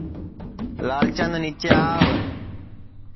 لال چند نِیچے آو